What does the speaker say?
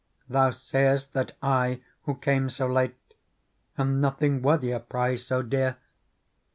Thou say'st that I, who came so late, Am nothing worthy a prize so dear.